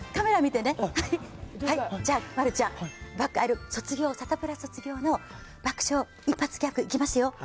では丸ちゃん、卒業、サタプラ卒業の爆笑一発ギャグ、いきますよ。